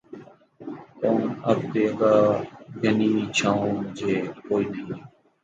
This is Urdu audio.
کون اب دے گا گھنی چھاؤں مُجھے، کوئی نہیں